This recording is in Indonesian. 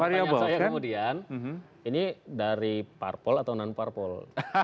pertanyaan saya kemudian ini dari parpol atau non parpol